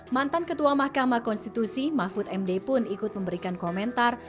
mantan ketua mahkamah konstitusi mahfud md pun ikut memberikan komentar